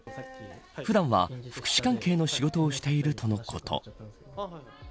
普段は、福祉関係の仕事をしているとのこと。